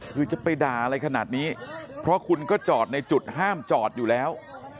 คือจะไปด่าอะไรขนาดนี้เพราะคุณก็จอดในจุดห้ามจอดอยู่แล้ว